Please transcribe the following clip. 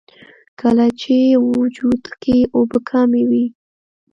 کله چې وجود کښې اوبۀ کمې وي